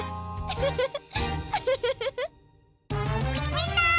みんな！